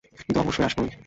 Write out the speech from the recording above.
কিন্তু অবশ্যই আসবই।